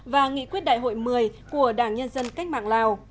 và nghị quyết đại hội một mươi của đảng nhân dân cách mạng lào